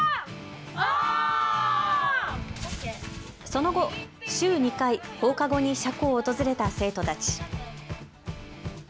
その後、週２回放課後に車庫を訪れた生徒たち。